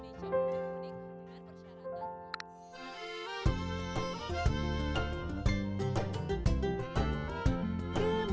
ucapkan salam kemenangan